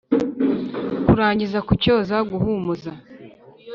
kurangiza kucyoza guhumuza